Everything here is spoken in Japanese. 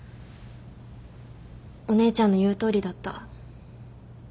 お姉ちゃんの言うとおりだった。